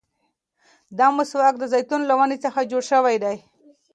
دا مسواک د زيتون له ونې څخه جوړ شوی دی.